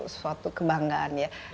suatu kebanggaan ya